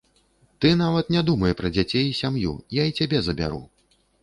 Ты нават не думай пра дзяцей і сям'ю, я і цябе забяру.